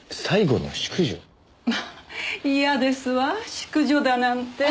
まあ嫌ですわ淑女だなんて。